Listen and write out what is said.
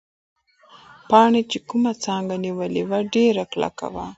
پاڼې چې کومه څانګه نیولې وه، ډېره کلکه وه.